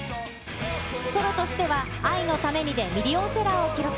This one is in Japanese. ソロとしては愛のためにでミリオンセラーを記録。